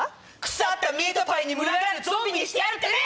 腐ったミートパイに群がるゾンビにしてやるってね！